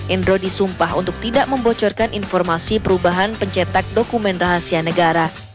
endro disumpah untuk tidak membocorkan informasi perubahan pencetak dokumen rahasia negara